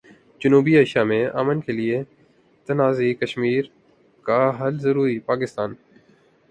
جنوبی ایشیا میں امن کیلئے تنازع کشمیر کا حل ضروری، پاکستان